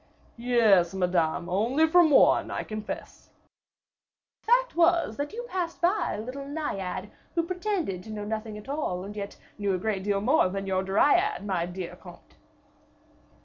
"Yes, Madame, only from one, I confess." "The fact was, that you passed by a little Naiad, who pretended to know nothing at all, and yet knew a great deal more than your Dryad, my dear comte."